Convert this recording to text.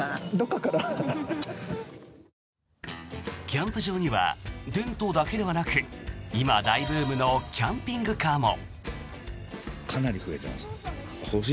キャンプ場にはテントだけではなく今、大ブームのキャンピングカーも。